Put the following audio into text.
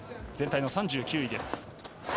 全体の３９位です。